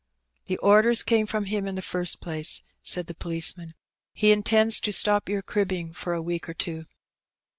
" The orders came from him in the first place/' said the policeman 3 ''he intends to stop your cribbing for a week or two."